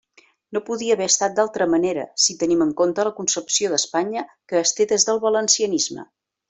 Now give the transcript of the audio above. No podia haver estat d'altra manera si tenim en compte la concepció d'Espanya que es té des del valencianisme.